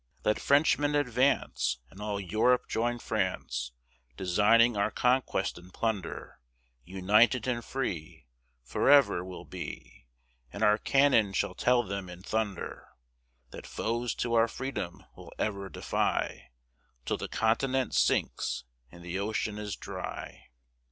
Let Frenchmen advance, And all Europe join France, Designing our conquest and plunder; United and free Forever we'll be, And our cannon shall tell them in thunder, That foes to our freedom we'll ever defy, Till the continent sinks, and the ocean is dry!